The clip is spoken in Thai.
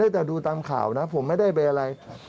จะดูตามข่าวนะผมไม่ได้เบยอะไร